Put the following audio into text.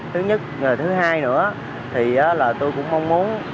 thứ nhất thứ hai nữa thì là tôi cũng mong muốn